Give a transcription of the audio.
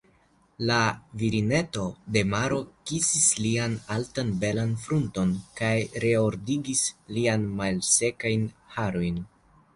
La virineto de maro kisis lian altan belan frunton kaj reordigis liajn malsekajn harojn.